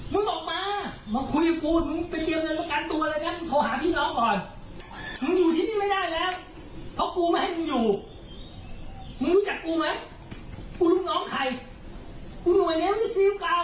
คุณรู้จักกูไหมคุณลูกน้องใครคุณรู้อย่างเนี้ยมันจะซิลเก่า